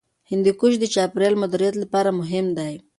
هندوکش د چاپیریال مدیریت لپاره مهم دی.